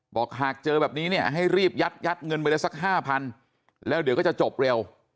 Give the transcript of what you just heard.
บอกหากเจอแบบนี้เนี่ยให้รีบยัดเงินไปเลยสัก๕๐๐๐แล้วเดี๋ยวก็จะจบเร็ว